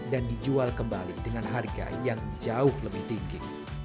dan dijual kembali dengan harga yang jauh lebih tinggi